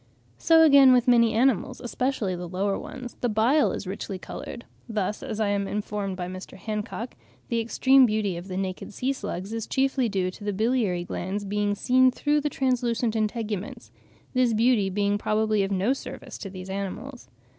So again with many animals, especially the lower ones, the bile is richly coloured; thus, as I am informed by Mr. Hancock, the extreme beauty of the Eolidae (naked sea slugs) is chiefly due to the biliary glands being seen through the translucent integuments—this beauty being probably of no service to these animals.